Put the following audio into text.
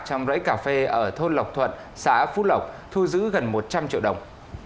trong rẫy cà phê ở thôn lộc thuận xã phú lộc thu giữ gần một trăm linh triệu đồng